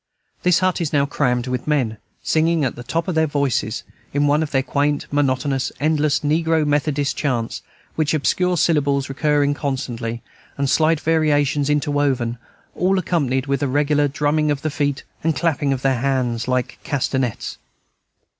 This hut is now crammed with men, singing at the top of their voices, in one of their quaint, monotonous, endless, negro Methodist chants, with obscure syllables recurring constantly, and slight variations interwoven, all accompanied with a regular drumming of the feet and clapping of the hands, like castanets.